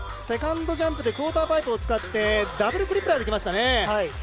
セカンドジャンプでクオーターパイプを使ってダブルクリップラーできた。